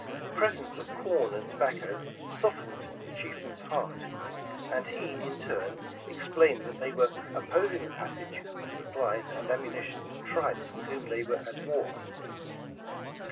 Presents of corn and to bacco softened the chieftain's heart, and he, in turn^ explained that they were opposing the passage of sup plies and ammunition to tribes with whom they were at war.